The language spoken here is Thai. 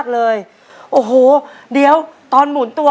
โปรดติดตามต่อไป